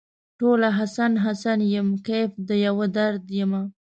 ټوله حسن ، حسن یم کیف د یوه درد یمه